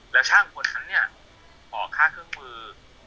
แล้วช่างคนนั้นเนี่ยขอค่าเครื่องมือ